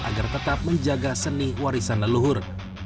agar tetap menjaga seni warisan leluhur